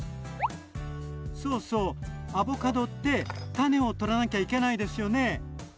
そうそうアボカドって種を取らなきゃいけないですよね。